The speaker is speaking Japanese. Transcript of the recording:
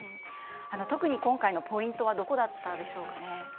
特に今回のポイントはどこだったんでしょうか。